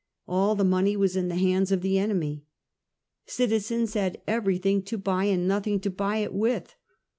All the money was in the hands of the enemy. Citizens had everything to buy and noth ing to buy it with.